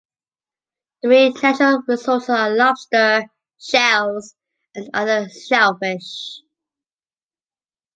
The main natural resources are lobster, shells and other shellfish.